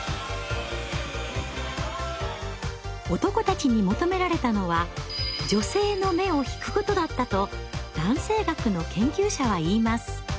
男たちに求められたのは女性の目を引くことだったと男性学の研究者は言います。